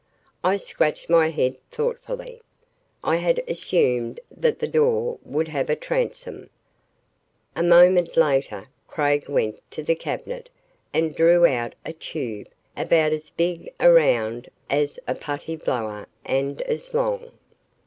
I scratched my head, thoughtfully. I had assumed that the door would have a transom. A moment later, Craig went to the cabinet and drew out a tube about as big around as a putty blower and as long.